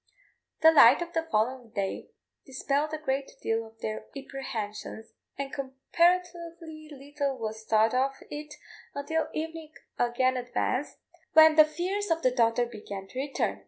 The light of the following day dispelled a great deal of their apprehensions, and comparatively little was thought of it until evening again advanced, when the fears of the daughter began to return.